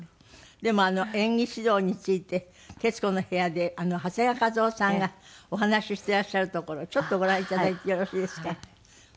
でも演技指導について『徹子の部屋』で長谷川一夫さんがお話ししていらっしゃるところをちょっとご覧頂いてよろしいですか？